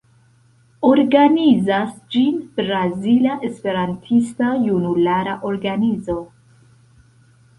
Organizas ĝin Brazila Esperantista Junulara Organizo.